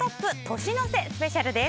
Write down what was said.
年の瀬スペシャルです。